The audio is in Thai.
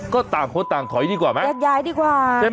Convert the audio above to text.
ก็ต่างคนต่างถอยดีกว่าไหมแยกย้ายดีกว่าใช่ไหม